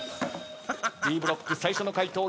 Ｂブロック最初の回答